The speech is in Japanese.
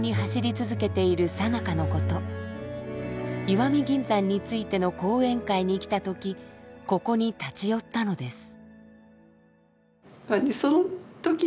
石見銀山についての講演会に来た時ここに立ち寄ったのです。